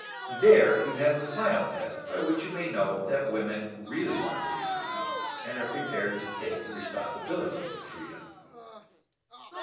There you have the final test by which you may know that women really want to be free, and are prepared to take the responsibilities of freedom.